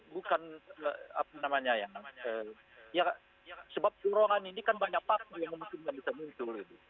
bukan apa namanya ya sebab kurongan ini kan banyak paku yang memungkinkan bisa muncul